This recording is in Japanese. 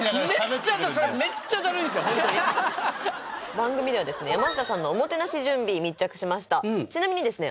番組ではですね山下さんのおもてなし準備密着しましたちなみにですね